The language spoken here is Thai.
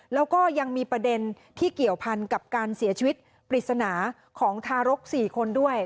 แล้วก็ยังมีประเด็นที่เกี่ยวพันกับการเสียชีวิตปริศนาของทารก๔คนด้วย